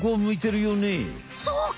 そうか！